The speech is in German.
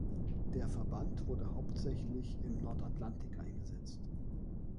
Der Verband wurde hauptsächlich im Nordatlantik eingesetzt.